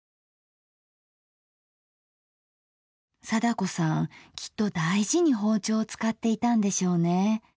貞子さんきっと大事に包丁を使っていたんでしょうね。